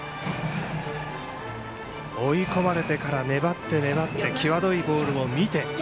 追い込まれてから粘って粘って際どいボールを見て。